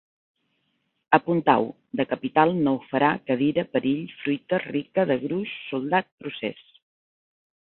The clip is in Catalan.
Apuntau: de capital, no ho farà, cadira, perill, fruita, rica, de gruix, soldat, procés